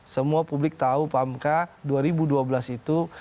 semua publik tahu pamka dua ribu dua belas itu